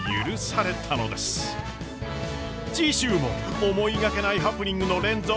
次週も思いがけないハプニングの連続！